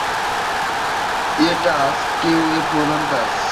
এটা আজও এর প্রধান কাজ।